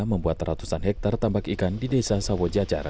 membuat ratusan hektare tambak ikan di desa sawo jajar